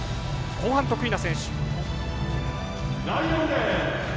後半、得意な選手。